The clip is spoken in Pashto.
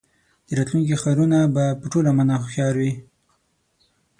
د راتلونکي ښارونه به په ټوله مانا هوښیار وي.